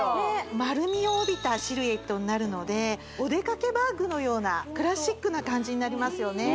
丸みを帯びたシルエットになるのでお出かけバッグのようなクラシックな感じになりますよね